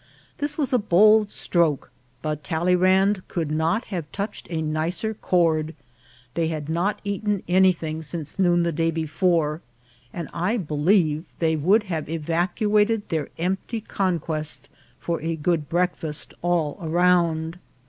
This was a bold stroke, but Talley rand could not have touched a nicer chord. They had not eaten anything since noon the day before, and I be lieve they would have evacuated their empty conquest for a good breakfast all round.